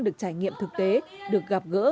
được trải nghiệm thực tế được gặp gỡ